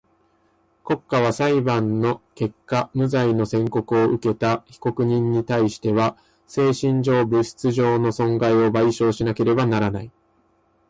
国家は裁判の結果無罪の宣告をうけた被告人にたいしては精神上、物質上の損害を賠償しなければならない。